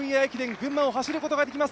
群馬を走ることができます。